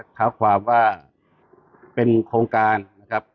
เท้าความว่าเป็นโครงการนะครับ